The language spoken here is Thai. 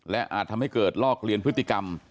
และอาจทำให้เกิดลอกเลียนพฤติกรรม